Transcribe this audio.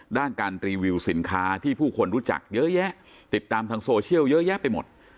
ด้านการรีวิวสินค้าที่ผู้คนรู้จักเยอะแยะติดตามทางโซเชียลเยอะแยะไปหมด